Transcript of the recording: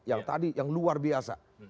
yang tadi yang luar biasa